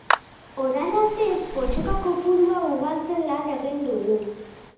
Orain arte pottoka kopurua ugaltzen lan egin dugu.